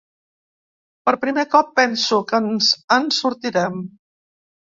Per primer cop penso que ens en sortirem.